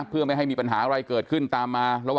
เพื่อไม่คุมภาคอะไรเกิดขึ้นตามมา